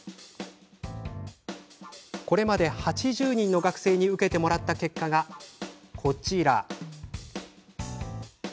これまで８０人の学生に受けてもらった結果がこちら。